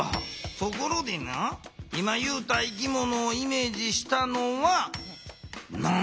ところでな今ゆうた生き物をイメージしたのはなんでや？